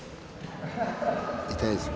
痛いですよ